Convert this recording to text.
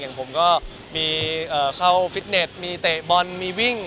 อย่างผมก็มีเข้าฟิตเน็ตมีเตะบอลมีวิ่ง